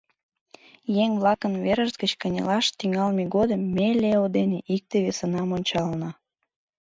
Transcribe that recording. Еҥ-влакын верышт гыч кынелаш тӱҥалме годым ме Лео ден икте-весынам ончална.